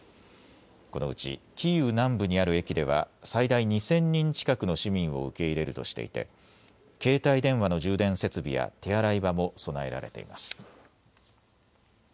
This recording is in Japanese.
このうちキーウ南部にある駅では最大２０００人近くの市民を受け入れるとしていて携帯電話の充電設備や手洗い場も備えられています。